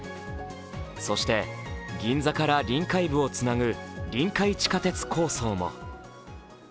そして銀座から臨海部をつなぐ臨海地下鉄構想も。